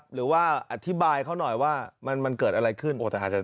หรือว่าอธิบายเขาหน่อยว่ามันเกิดอะไรขึ้น